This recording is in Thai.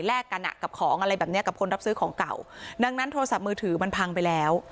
กันอ่ะกับของอะไรแบบเนี้ยกับคนรับซื้อของเก่าดังนั้นโทรศัพท์มือถือมันพังไปแล้ว